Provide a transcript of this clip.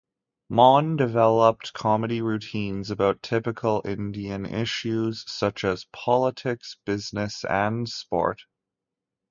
Mann developed comedy routines about typical Indian issues such as politics, business and sport.